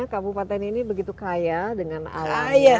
kabupaten ini begitu kaya dengan alam